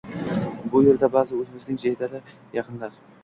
Bu yerda bari o‘zimizning jaydari yaqinlar.